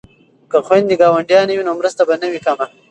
که خویندې ګاونډیانې وي نو مرسته به نه وي کمه.